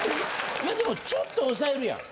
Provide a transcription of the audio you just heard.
いやでもちょっと押さえるやん。